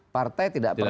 partai tidak pernah